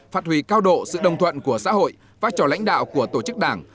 phát huy cao độ sự đồng thuận của xã hội vai trò lãnh đạo của tổ chức đảng